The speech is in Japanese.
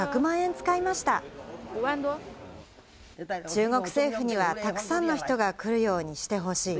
中国政府にはたくさんの人が来るようにしてほしい。